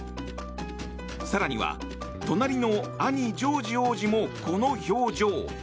更には隣の兄ジョージ王子もこの表情。